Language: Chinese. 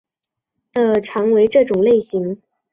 的常为这种类型。